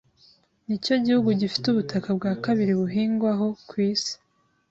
nicyo gihugu gifite ubutaka bw’akabiri buhingwaho kw’isi.